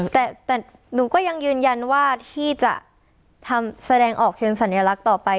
แต่หนูก็ยังยืนยันว่าที่จะทำแสดงออกเชิงสัญลักษณ์ต่อไป